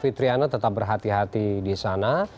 terima kasih pak bunga tetap berhati hati di sana